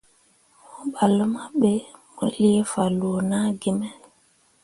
Mo ɓah luma ɓe, mo lii fanloo naa gi me.